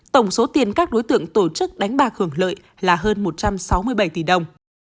tổng số tiền các đối tượng tổ chức đánh bạc hưởng lợi là hơn một trăm sáu mươi bảy tỷ đồng